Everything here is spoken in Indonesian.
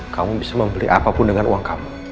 kamu bisa membeli apapun dengan uang kamu